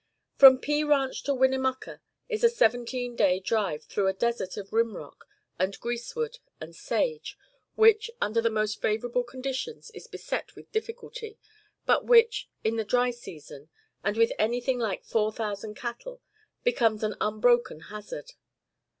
From P Ranch to Winnemucca is a seventeen day drive through a desert of rim rock and greasewood and sage, which, under the most favorable conditions, is beset with difficulty, but which, in the dry season, and with anything like four thousand cattle, becomes an unbroken hazard.